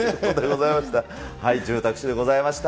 住宅史でございました。